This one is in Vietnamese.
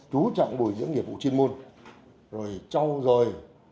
chú trọng bùi những nghiệp vụ chuyên môn rồi cho rồi